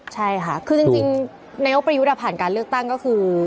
ใช่ค่ะคือจริงนายกประยุทธ์ผ่านการเลือกตั้งก็คือ